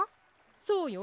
そうよ。